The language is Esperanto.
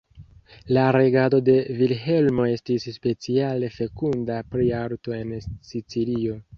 La regado de Vilhelmo estis speciale fekunda pri arto en Sicilio.